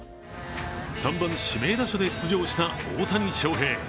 ３番・指名打者で出場した大谷翔平。